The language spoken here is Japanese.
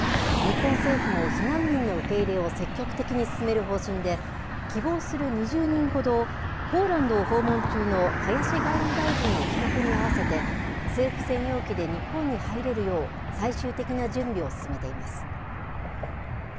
日本政府も避難民の受け入れを積極的に進める方針で、希望する２０人ほどを、ポーランドを訪問中の林外務大臣の帰国に合わせて、政府専用機で日本に入れるよう、最終的な準備を進めています。